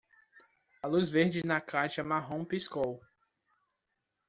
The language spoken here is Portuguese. A luz verde na caixa marrom piscou.